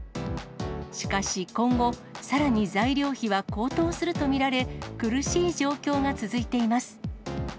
しかし今後、さらに材料費は高騰すると見られ、苦しい状況が続いています。